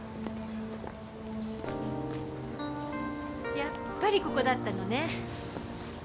やっぱりここだったのね。